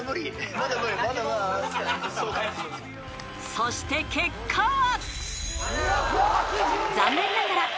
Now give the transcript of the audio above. ［そして結果は］